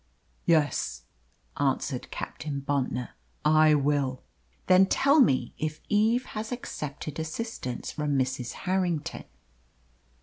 "Yes," answered Captain Bontnor, "I will." "Then tell me if Eve has accepted assistance from Mrs. Harrington?"